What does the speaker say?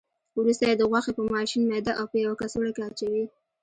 وروسته یې د غوښې په ماشین میده او په یوه کڅوړه کې اچوي.